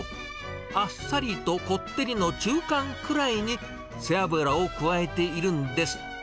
あっさりとこってりの中間くらいに、背脂を加えているんです。